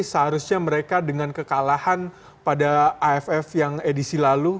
seharusnya mereka dengan kekalahan pada aff yang edisi lalu